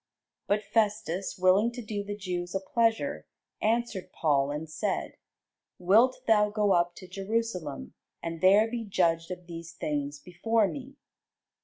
But Festus, willing to do the Jews a pleasure, answered Paul, and said, Wilt thou go up to Jerusalem, and there be judged of these things before me?